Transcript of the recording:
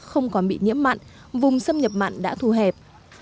không còn bị nhiễm mặn vùng xâm nhập mặn đã thu hẹp